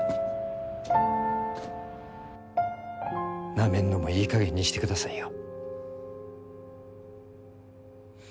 なめんのもいい加減にしてくださいよ